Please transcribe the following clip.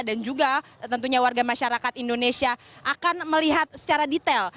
dan juga tentunya warga masyarakat indonesia akan melihat secara detail